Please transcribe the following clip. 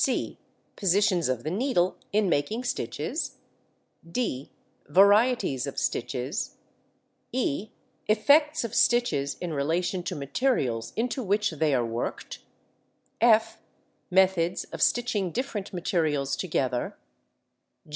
(c) Positions of the needle in making stitches. (d) Varieties of stitches. (e) Effects of stitches in relation to materials into which they are worked. (f) Methods of stitching different materials together.